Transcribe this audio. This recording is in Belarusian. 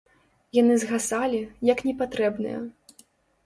Яны згасалі, як непатрэбныя.